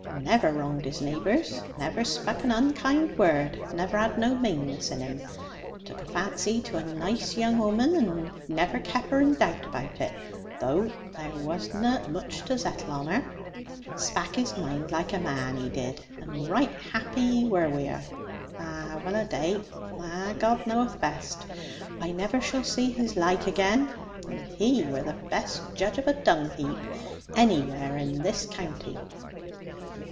Never wronged his neighbours, never spak an unkind word, never had no maneness in him. Tuk a vancy to a nice young 'ooman, and never kep her in doubt about it, though there wadn't mooch to zettle on her. Spak his maind laike a man, he did, and right happy he were wi' her. Ah, well a day! Ah, God knoweth best. I never shall zee his laike again. And he were the best judge of a dung heap anywhere in this county.'